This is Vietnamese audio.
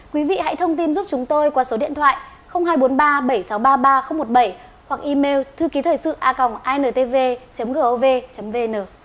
quý vị hãy thông tin giúp chúng tôi qua số điện thoại hai trăm bốn mươi ba bảy nghìn sáu trăm ba mươi ba một mươi bảy hoặc email thư ký thời sự a g intv gov vn